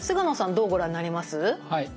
どうご覧になります？はい。